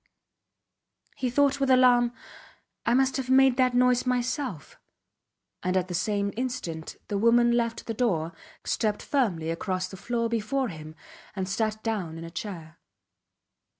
He thought with alarm: I must have made that noise myself; and at the same instant the woman left the door, stepped firmly across the floor before him, and sat down in a chair.